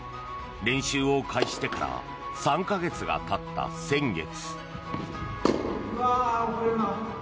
練習を開始してから３か月がたった先月。